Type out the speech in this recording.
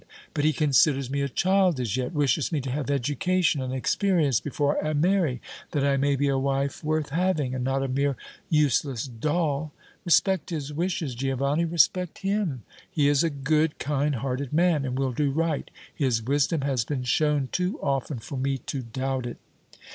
But he considers me a child as yet, wishes me to have education and experience before I marry, that I may be a wife worth having and not a mere useless doll. Respect his wishes, Giovanni, respect him. He is a good, kind hearted man, and will do right. His wisdom has been shown too often for me to doubt it!"